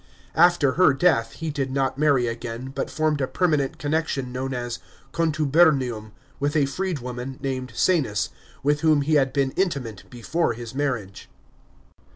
After her death, he did not marry again, but formed a permanent connection, known as contubernium, with a freed woman, named Coanis, with whom he had been intimate before his marriage.